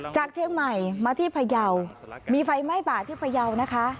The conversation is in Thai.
จากเชียงใหม่มาที่พยาวมีไฟไหม้ป่าที่พยาวนะคะ